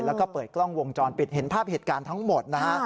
แล้วก็เปิดกล้องวงจรปิดเห็นภาพเหตุการณ์ทั้งหมดนะฮะ